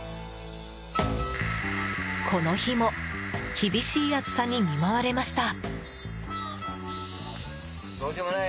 この日も厳しい暑さに見舞われました。